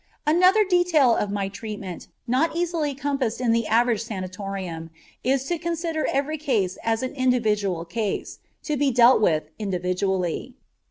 Another detail of my treatment not easily compassed in the average sanatorium is to consider every case as an individual case, to be dealt with individually.